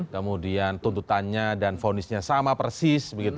kemudian tuntutannya dan fonisnya sama persis